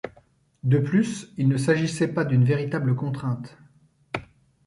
De plus il ne s'agissait pas d'une véritable contrainte.